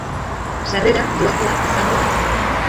Sarrera dohakoa izango da.